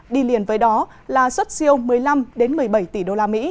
đi liền với đó là xuất siêu một mươi năm một mươi bảy tỷ usd